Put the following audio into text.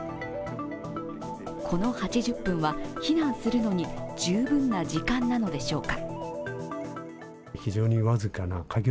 この８０分は避難するのに十分な時間なのでしょうか。